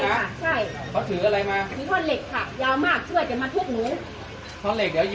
ยาวมากช่วยจะมาทุกหนุ